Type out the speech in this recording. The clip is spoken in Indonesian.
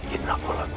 kau sudah muda dulu